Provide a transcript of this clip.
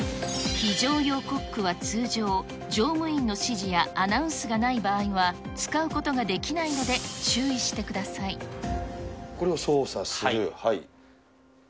非常用コックは通常、乗務員の指示やアナウンスがない場合は、使うことができないので、これを操作する。